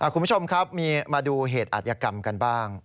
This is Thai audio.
คุณผู้ชมครับมีมาดูเหตุอัธยกรรมกันบ้าง